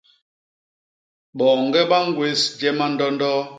Boñge ba ñgwés je mandondo.